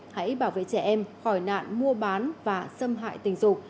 hãy bảo vệ trẻ em khỏi nạn mua bán và xâm hại tình dục